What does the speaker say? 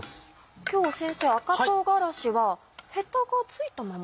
今日先生赤唐辛子はヘタが付いたまま？